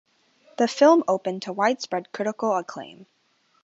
The film opened to widespread critical acclaim.